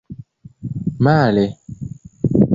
male